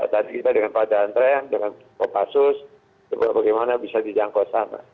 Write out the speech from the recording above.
tadi kita dengan pada antren dengan kopassus bagaimana bisa dijangkau sana